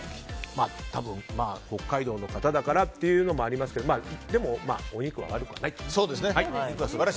多分、北海道の方だからというのはありますけどでもお肉は悪くはないと。